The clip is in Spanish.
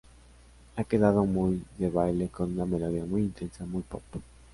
Ha quedado muy de baile con una melodía muy intensa, muy pop."".